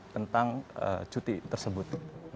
tentang cuti tersebut